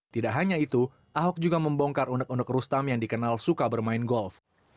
tidak hanya itu ahok juga membongkar unek unek rustam yang dikenal suka bermain golf